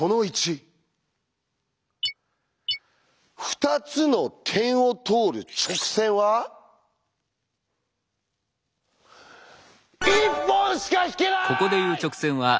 「２つの点を通る直線は１本しか引けない」！